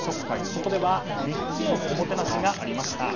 そこでは３つのおもてなしがありました。